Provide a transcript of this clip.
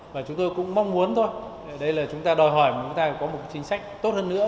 và chúng tôi cũng mong muốn thôi đây là chúng ta đòi hỏi mà chúng ta có một chính sách tốt hơn nữa